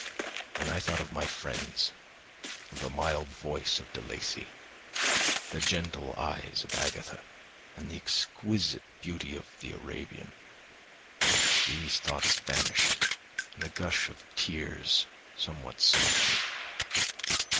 When I thought of my friends, of the mild voice of De Lacey, the gentle eyes of Agatha, and the exquisite beauty of the Arabian, these thoughts vanished and a gush of tears somewhat soothed me.